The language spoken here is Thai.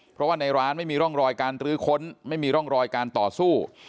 เพราะว่าในร้านไม่มีร่องรอยการรื้อค้นไม่มีร่องรอยการต่อสู้